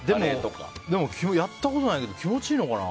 でも、やったことないけど気持ちいいのかな。